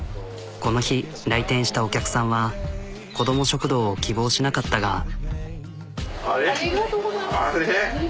この日来店したお客さんは子ども食堂を希望しなかったが。